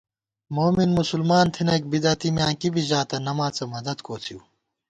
مومن مسلمان تھنَئیک بدعتی میاں کِبی ژاتہ نماڅہ مدد کوڅِؤ